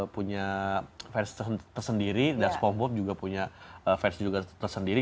punya vans tersendiri dan spongebob juga punya vans juga tersendiri